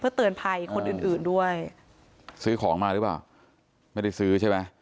เตือนภัยคนอื่นอื่นด้วยซื้อของมาหรือเปล่าไม่ได้ซื้อใช่ไหม